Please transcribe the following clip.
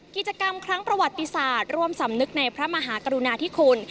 กิจกรรมครั้งประวัติศาสตร์ร่วมสำนึกในพระมหากรุณาธิคุณ